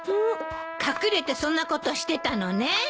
隠れてそんなことしてたのね！